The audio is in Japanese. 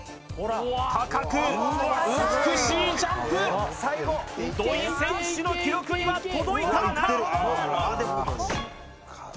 高く美しいジャンプ土井選手の記録には届いたのか？